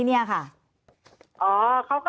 มันเป็นอาหารของพระราชา